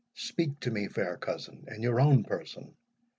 Speak to me, my fair cousin, in your own person.